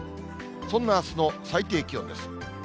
そんなあすの最低気温です。